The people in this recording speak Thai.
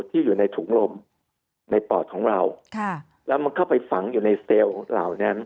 ที่อยู่ในถุงลมในปอดของเราแล้วมันเข้าไปฝังอยู่ในเซลล์เหล่านั้น